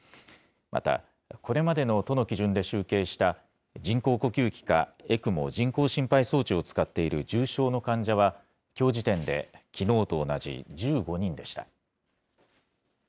また、これまでの都の基準で集計した人工呼吸器かＥＣＭＯ・人工心肺装置を使っている重症の患者は、きょう時点できのうと同じ１５人でした。